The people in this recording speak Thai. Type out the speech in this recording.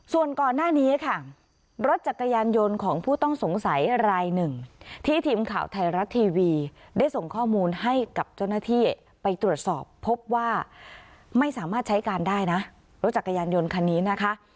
ส่วนก่อนหน้านี้ค่ะรถจักรยานยนต์ของผู้ต้องสงสัยรายหนึ่งที่ทีมข่าวไทยรัฐทีวีได้ส่งข้อมูลให้กับเจ้าหน้าที่ไปตรวจสอบพบว่าไม่สามารถใช้การได้นะรถจักรยานยนต์คันนี้นะคะ